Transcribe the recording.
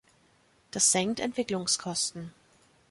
Das senkt Entwicklungskosten.